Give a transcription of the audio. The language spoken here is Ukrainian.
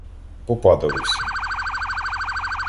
Попадали всі.